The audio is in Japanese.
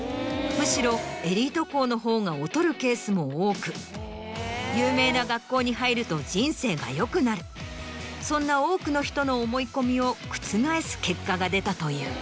むしろエリート校のほうが劣るケースも多く有名な学校に入ると人生が良くなるそんな多くの人の思い込みを覆す結果が出たという。